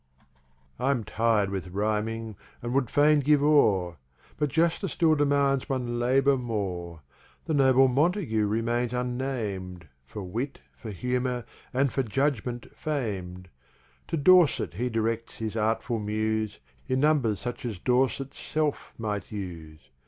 I'm tir'd with Rhiming, and wou'd fain give o'er, But Justice still demands one Labour more: The Noble Montague remains unnam'd, For Wit, for Humour, and for Judgment fam'd; To Dorset he directs his Artful Muse, In numbers such as Dorset's self might use.